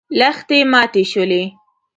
لښتې ماتې شولې.